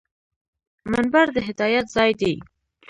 منبر د هدایت ځای دی